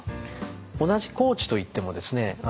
同じ高知といってもですね